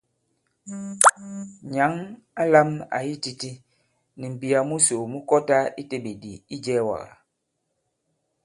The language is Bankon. Nyǎŋ a lām àyi titī, nì m̀mbìyà musò mu kɔtā i teɓèdì̀ i ijɛ̄ɛ̄wàgà.